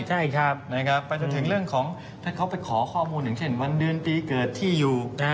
ใช่ครับไปจนถึงเรื่องของถ้าเขาไปขอข้อมูลอย่างเช่นวันเดือนปีเกิดที่อยู่